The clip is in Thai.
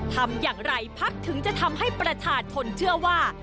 ทำอย่างไรพักถึงจะทำให้ประชาชนเชื่อว่า